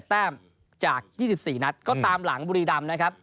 แต้มจาก๒๔นัดก็ตามหลังบุรีรำนะครับ